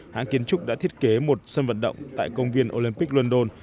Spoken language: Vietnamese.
hãng kiến trúc đã thiết kế một sân vận động tại công viên olympic london